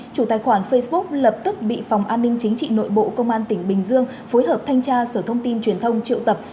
chủ tài khoản facebook lập tức bị phòng an ninh chính trị nội bộ công an tỉnh bình dương phối hợp thanh tra sở thông tin truyền thông triệu tập